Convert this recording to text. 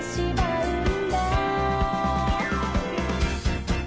うん。